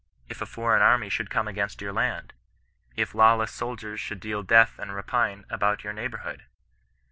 If a foreign army should come against your land ? If lawless soldiers should deal death and rapine about your neighbourhood?"